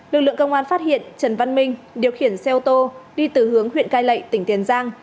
lực lượng công an phát hiện trần văn minh điều khiển xe ô tô đi từ hướng huyện cai lệ tỉnh tiền giang